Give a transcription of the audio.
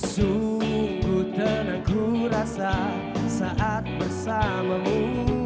sukut dan aku rasa saat bersamamu